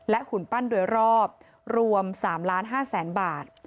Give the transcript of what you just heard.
หุ่นปั้นโดยรอบรวม๓๕๐๐๐๐บาท